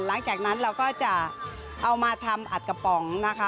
หลังจากนั้นเราก็จะเอามาทำอัดกระป๋องนะคะ